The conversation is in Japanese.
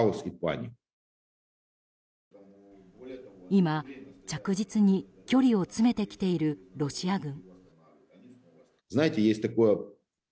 今、着実に距離を詰めてきているロシア軍。